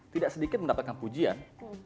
tidak sedikit mendapatkan pujian